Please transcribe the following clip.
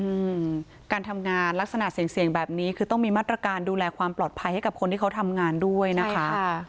อืมการทำงานลักษณะเสี่ยงเสี่ยงแบบนี้คือต้องมีมาตรการดูแลความปลอดภัยให้กับคนที่เขาทำงานด้วยนะคะค่ะ